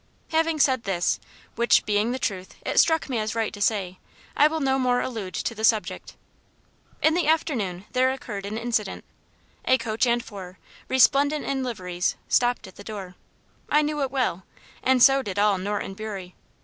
Having said this, which, being the truth, it struck me as right to say, I will no more allude to the subject. In the afternoon there occurred an incident. A coach and four, resplendent in liveries, stopped at the door; I knew it well, and so did all Norton Bury.